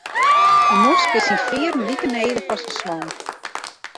In mosk is syn fearen like nedich as in swan.